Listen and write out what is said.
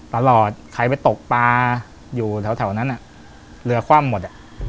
ตลอดใครไปตกปลาอยู่แถวนั้นเรือคว่ำหมด